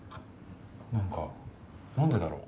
何か何でだろう？